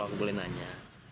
kalo aku boleh nanya